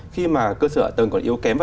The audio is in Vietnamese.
khi mà cơ sở tầng còn yếu kém